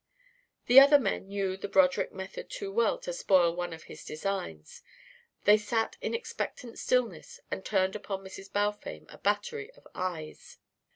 The other men knew the Broderick method too well to spoil one of his designs; they sat in expectant stillness and turned upon Mrs. Balfame a battery of eyes.